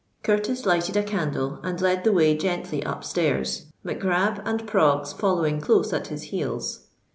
Curtis lighted a candle, and led the way gently up stairs, Mac Grab and Proggs following close at his heels.